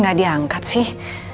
gak diangkat sih